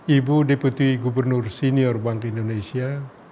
ibu deputi gubernur senior bank indonesia